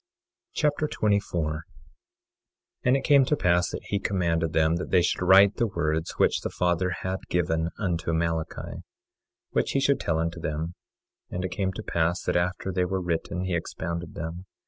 3 Nephi Chapter 24 24:1 And it came to pass that he commanded them that they should write the words which the Father had given unto Malachi, which he should tell unto them. And it came to pass that after they were written he expounded them.